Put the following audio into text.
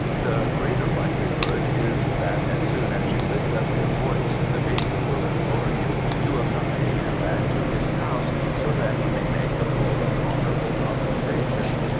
The greater likelihood is that as soon as you lift up your voice the baker will implore you to accompany him back to his house so that he may make a full and honourable compensation.